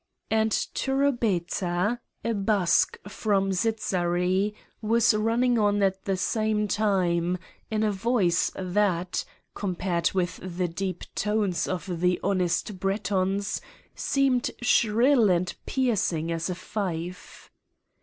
And Turubeta, a Basque from Zitzarry, was running on at the same time, in a voice, that, compared with the deep tones of the honest Bretons, seemed shrill and piercing as a fife.